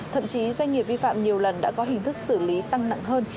thậm chí doanh nghiệp vi phạm nhiều lần đã có hình thức xử lý tăng nặng hơn